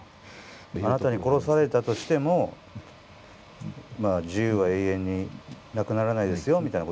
「あなたに殺されたとしても自由は永遠になくならないですよ」みたいなことですもんね。